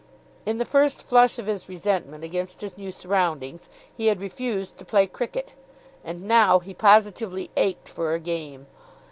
In the first flush of his resentment against his new surroundings he had refused to play cricket. And now he positively ached for a game.